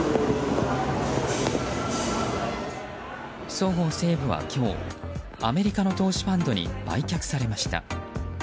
そごう・西武は今日アメリカの投資ファンドに売却されました。